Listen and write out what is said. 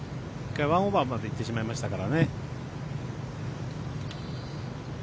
１回１オンまでいってしまいましたからね。